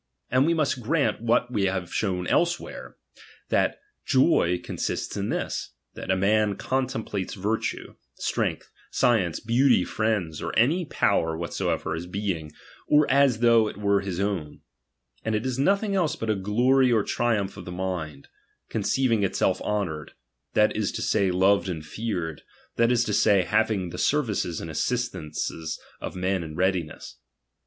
And we must grant what we have showed elsewhere ; that Joff consists in this, that a man contemplates virtue, strength, science, beauty, friends, or any power whatsoever, as being, or as though it were his own ; and it is nothing else but a glory or triumph of the mind, conceiving itself honoured, that is to say, loved and feared, that is to say, having the services and assistances of men in readiness.